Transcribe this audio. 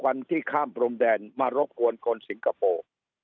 วันที่ข้ามพรมแดนมารบกวนคนสิงคโปร์